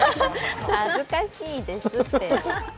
恥ずかしいですって。